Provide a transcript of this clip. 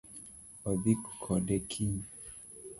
Odhi kode kiny